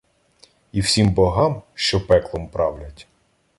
І всім богам, що пеклом правлять